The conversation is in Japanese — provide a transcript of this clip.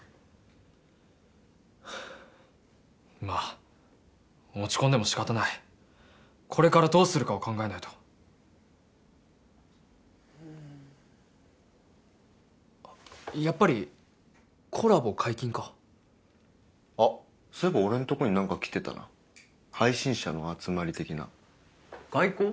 はぁまぁ落ち込んでもしかたないこれからどうするかを考えないとやっぱりコラボ解禁かあっそういえば俺んとこに何か来てたな配信者の集まり的な外交？